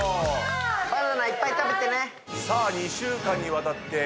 バナナいっぱい食べてね。